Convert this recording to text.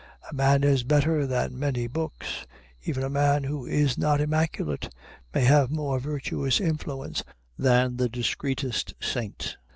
A man is better than many books. Even a man who is not immaculate may have more virtuous influence than the discreetest saint.